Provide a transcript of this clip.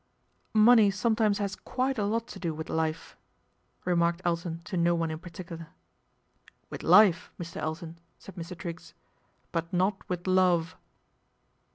Money sometimes has quite a lot to do with e," remarked Elton to no one in particular. With life, Mr. Elton," said Mr. Triggs ;" but t with love."